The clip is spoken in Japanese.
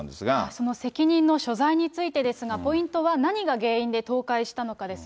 その責任の所在についてですが、ポイントは何が原因で倒壊したのかです。